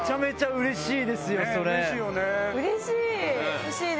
うれしい！